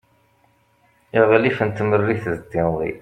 aɣlif n tmerrit d tinḍi